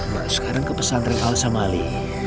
mbak sekarang ke pesan renal samali